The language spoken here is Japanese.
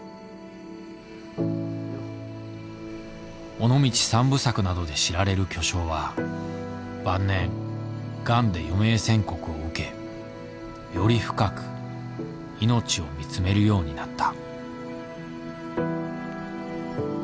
「尾道三部作」などで知られる巨匠は晩年ガンで余命宣告を受けより深く「命」を見つめるようになった。